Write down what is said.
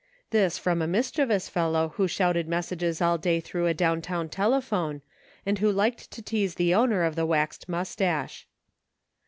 This from a mischievous fellow who shouted messages all day through a down town telephone, and who liked to tease the owner of the waxed mustache.